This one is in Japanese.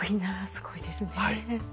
すごいですね。